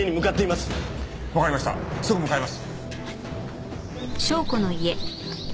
すぐ向かいます。